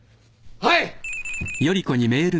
はい！